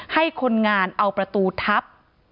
ให้คนงานเอาประตูทับ